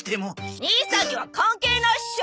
義兄さんには関係ないっしょ！